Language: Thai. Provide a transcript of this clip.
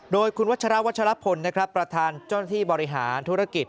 โดยคุณวัชราวัชลพลนะครับประธานเจ้าหน้าที่บริหารธุรกิจ